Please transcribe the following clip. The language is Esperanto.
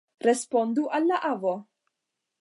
Respondu al la avo!